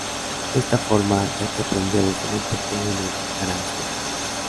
De esta forma, Jackie aprendió desde muy pequeño en el garaje de la tienda.